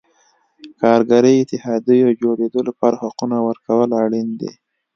کارګري اتحادیو جوړېدو لپاره حقونو ورکول اړین دي.